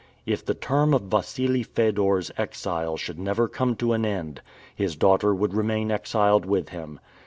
If the term of Wassili Fedor's exile should never come to an end, his daughter would remain exiled with him.